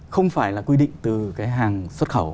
không phải là quy định từ cái hàng xuất khẩu